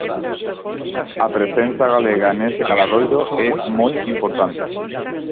A presenza galega nese caladoiro é moi importante.